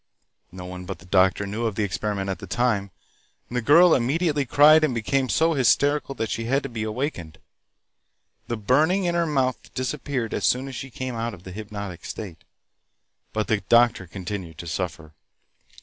No one but the doctor knew of the experiment at the time. The girl immediately cried and became so hysterical that she had to be awakened. The burning in her mouth disappeared as soon as she came out of the hypnotic state, but the doctor continued to suffer.